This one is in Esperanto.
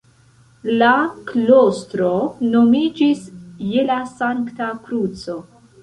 La klostro nomiĝis "Je la Sankta Kruco".